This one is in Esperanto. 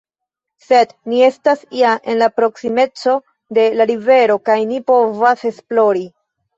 Sed ni estas ja en la proksimeco de la rivero kaj ni povas esplori.